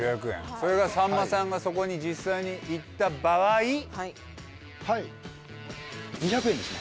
それがさんまさんがそこに実際に行った場合はい２００円ですね